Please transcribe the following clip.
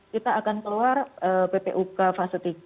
kita akan keluar ppuk fase tiga